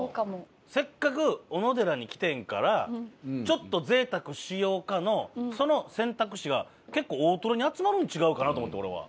せっかくおのでらに来てんからちょっと贅沢しようかのその選択肢が結構大トロに集まるん違うんかなと思って俺は。